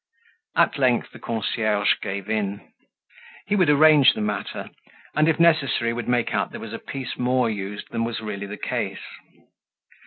At length the concierge gave in; he would arrange the matter, and, if necessary, would make out there was a piece more used than was really the case.